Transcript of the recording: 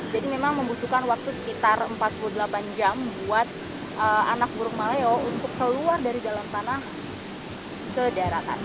jadi memang membutuhkan waktu sekitar empat puluh delapan jam buat anak burung maleo untuk keluar dari dalam tanah ke daerah tadi gitu ya pak ya